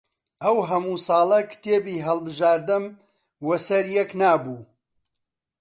ئەو هەموو ساڵە کتێبی هەڵبژاردەم وە سەر یەک نابوو